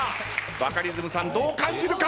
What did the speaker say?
バカリズムさんどう感じるか？